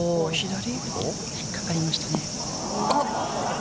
引っ掛かりましたね。